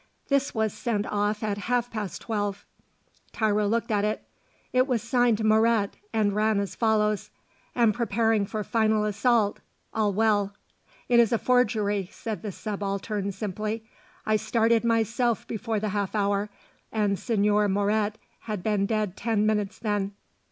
"This was sent off at half past twelve." Tiro looked at it. It was signed Moret and ran as follows: Am preparing for final assault. All well. "It is a forgery," said the Subaltern simply. "I started myself before the half hour, and Señor Moret had been dead ten minutes then.